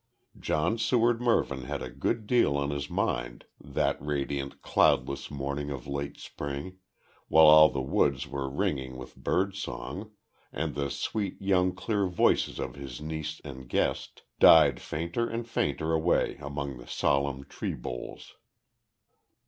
John Seward Mervyn had a good deal on his mind that radiant cloudless morning of late spring, while all the woods were ringing with birdsong, and the sweet, young, clear voices of his niece and guest died fainter and fainter away among the solemn tree boles.